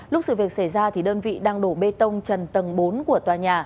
lúc sự việc xảy ra thì đơn vị đang đổ bê tông trần tầng bốn của tòa nhà